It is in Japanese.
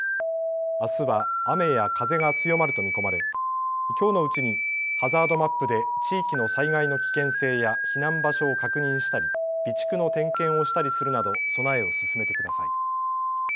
あすは雨や風が強まると見込まれきょうのうちにハザードマップで地域の災害の危険性や避難場所を確認したり、備蓄の点検をしたりするなど備えを進めてください。